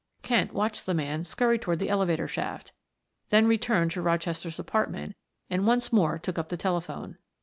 Kent watched the man scurry toward the elevator shaft, then returned to Rochester's apartment and once more took up the telephone.